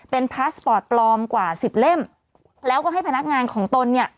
เป็นพาสปอร์ตปลอมกว่าสิบเล่มแล้วก็ให้พนักงานของตนเนี่ย